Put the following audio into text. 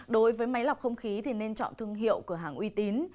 đối với máy lọc không khí thì nên chọn thương hiệu cửa hàng uy tín